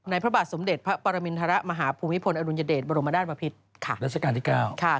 ในพระบาทสมเด็จพระปรมิณฐระมหาภูมิพลอดุลยเดชบรมดาลปภิษฐ์